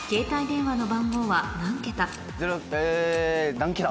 何桁。